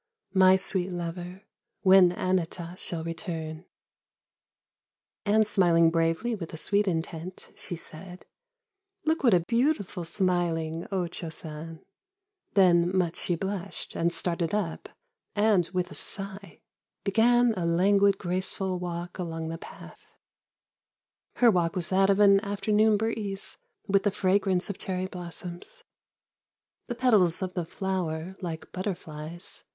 My sweet lover, when Anata. shall return !" And smiling bravely with a sweet intent, she said :" Look what a beautiful smiling O Cho San !" Then much she blushed, and started up, and, with a sigh. Began a languid, graceful walk along the path : Her walk was that of an afternoon breeze With the fragrance of cherry blossoms. The petals of the flower, like butterflies.